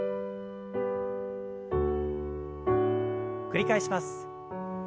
繰り返します。